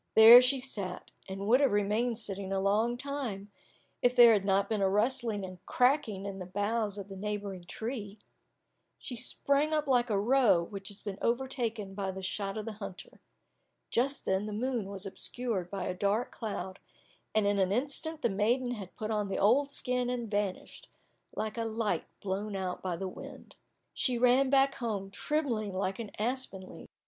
There she sat, and would have remained sitting a long time, if there had not been a rustling and cracking in the boughs of the neighbouring tree. She sprang up like a roe which has been overtaken by the shot of the hunter. Just then the moon was obscured by a dark cloud, and in an instant the maiden had put on the old skin and vanished, like a light blown out by the wind. She ran back home, trembling like an aspen leaf.